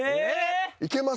いけます？